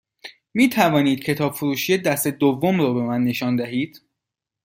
می توانید کتاب فروشی دست دوم رو به من نشان دهید؟